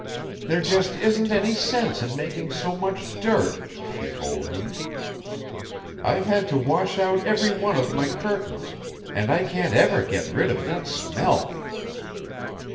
"There just isn't any sense in making so much dirt," she told him. "I've had to wash out every one of my curtains; and I can't ever get rid of that smell."